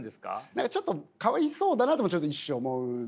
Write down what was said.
何かちょっとかわいそうだなともちょっと一瞬思うんですよ。